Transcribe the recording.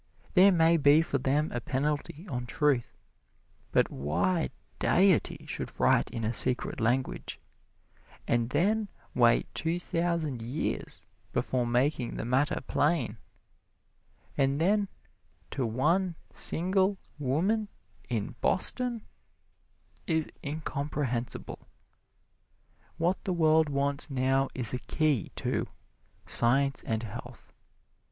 There may be for them a penalty on truth, but why Deity should write in a secret language, and then wait two thousand years before making the matter plain, and then to one single woman in Boston, is incomprehensible. What the world wants now is a Key to "Science and Health."